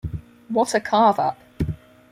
What a Carve Up!